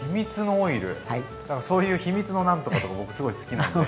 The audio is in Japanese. そういう秘密の何とかとか僕すごい好きなんで。